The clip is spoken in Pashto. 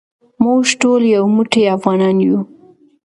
موږ ټول یو موټی افغانان یو.